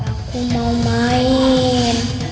aku mau main